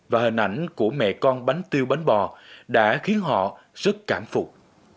và hình ảnh của mẹ con bánh tiêu bánh bò đã khiến họ rất cảm phục